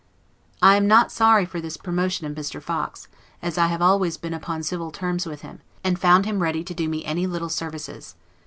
I am not sorry for this promotion of Mr. Fox, as I have always been upon civil terms with him, and found him ready to do me any little services.